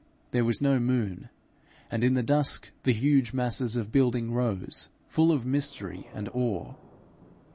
There was no moon, and in the dusk the huge masses of building rose full of mystery and awe.